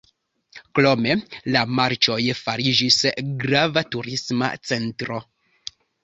Krome, la marĉoj fariĝis grava turisma centro.